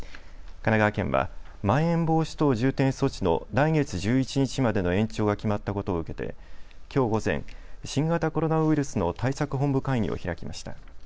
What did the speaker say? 神奈川県は、まん延防止等重点措置の来月１１日までの延長が決まったことを受けてきょう午前、新型コロナウイルスの対策本部会議を開きました。